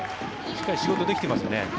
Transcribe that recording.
しっかり仕事ができていますね。